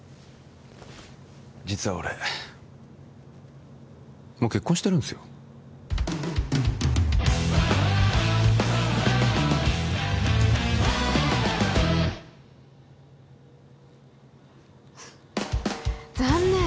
実は俺もう結婚してるんですよ残念！